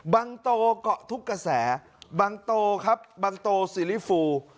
บางโตก็ทุกกระแสบางโตครับบางโตซิริฟู